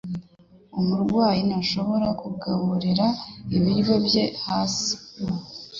Umurwayi ntashobora kugaburira ibiryo bye hasi.